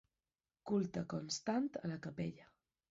Culte constant a la capella.